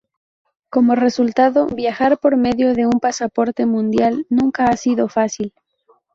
Como resultado, viajar por medio de un pasaporte mundial nunca ha sido fácil.